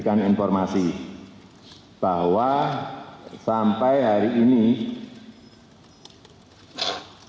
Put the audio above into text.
dan dengan pemerintah